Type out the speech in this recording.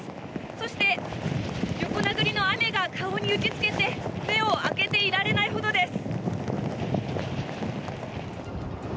そして、横殴りの雨が顔に打ち付けて目を開けていられないほどです。